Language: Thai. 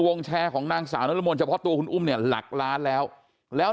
วงแชร์ของนางสาวนรมนเฉพาะตัวคุณอุ้มเนี่ยหลักล้านแล้วแล้ว